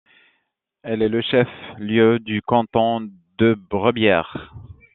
Elle est le chef-lieu du canton de Brebières.